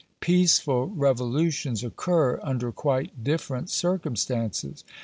Peaceful revolutions occur under quite different circumstances.